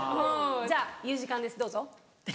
「じゃあ言う時間ですどうぞ」。